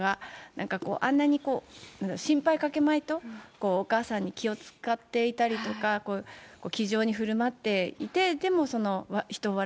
なんかこう、あんなに心配かけまいとお母さんに気を使っていたりとか、気丈にふるまっていて、でも人を笑